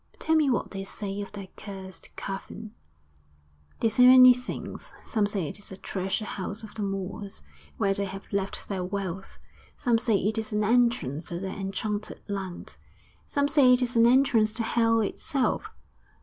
'Tell me what they say of the accursed cavern.' 'They say many things. Some say it is a treasure house of the Moors, where they have left their wealth. Some say it is an entrance to the enchanted land; some say it is an entrance to hell itself....